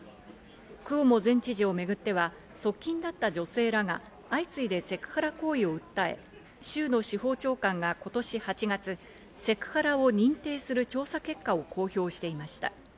クオモ前知事をめぐっては側近だった女性らが相次いでセクハラ行為を訴え、州の司法長官が今年８月、セクハラを認定する調査結果を公表していました。